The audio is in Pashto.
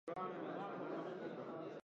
زړښت د ارام او مصرف وخت دی.